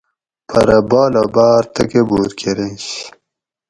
پٞرہ بالہ باٞر تکبُر کٞریںش